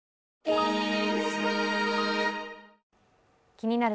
「気になる！